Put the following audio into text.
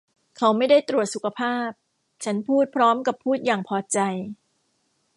'เขาไม่ได้ตรวจสุขภาพ' ฉันพูดพร้อมกับพูดอย่างพอใจ